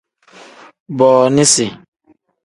Booniisi.